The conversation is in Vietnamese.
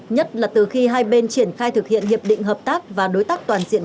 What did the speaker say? nhất là từ khi hai bên triển khai thực hiện hiệp định hợp tác và đối tác toàn diện